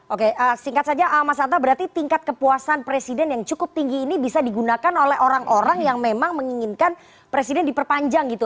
oke singkat saja mas anta berarti tingkat kepuasan presiden yang cukup tinggi ini bisa digunakan oleh orang orang yang memang menginginkan presiden diperpanjang gitu